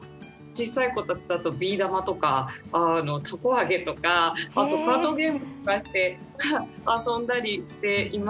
ちっさい子たちだとビー玉とかたこ揚げとかあとカードゲームとかで遊んだりしています。